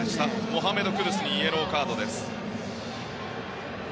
モハメド・クドゥスにイエローカード。